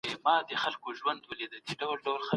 زه باور لرم چې موږ به بریالي شو.